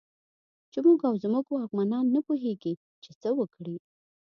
چې موږ او زموږ واکمنان نه پوهېږي چې څه وکړي.